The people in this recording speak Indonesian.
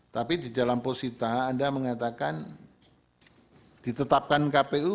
tapi di dalam posisita anda mengatakan ditetapkan kpu